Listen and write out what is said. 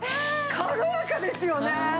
軽やかですよね！